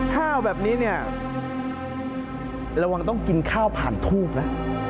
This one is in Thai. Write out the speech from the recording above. ข้าวแบบนี้เนี่ยระวังต้องกินข้าวผ่านทูบนะ